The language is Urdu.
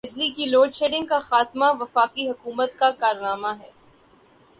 بجلی کی لوڈ شیڈنگ کا خاتمہ وفاقی حکومت کا کارنامہ ہے۔